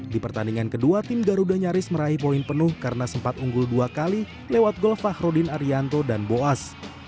di pertandingan kedua tim garuda nyaris meraih poin penuh karena sempat unggul dua kali lewat gol fahrudin arianto dan boas